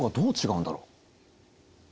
うん？